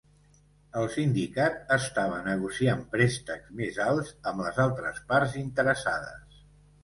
El sindicat estava negociant préstecs més alts amb les altres parts interessades.